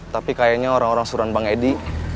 di parkiran diduk sama ibi